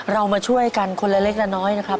เรามาช่วยกันคนละเล็กละน้อยนะครับ